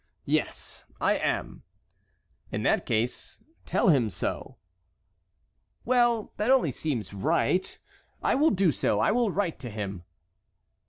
"Yes, I am." "In that case, tell him so." "Well, that seems only right. I will do so. I will write to him."